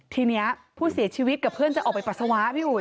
ทีนี้ผู้เสียชีวิตกับเพื่อนจะออกไปปัสสาวะพี่อุ๋